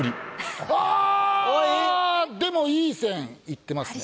あ！でもいい線いってますね。